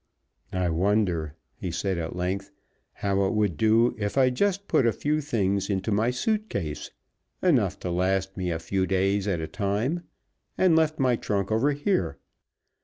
"I wonder," he said at length, "how it would do if I just put a few things into my suit case enough to last me a few days at a time and left my trunk over here.